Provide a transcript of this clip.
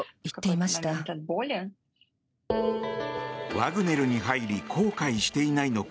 ワグネルに入り後悔していないのか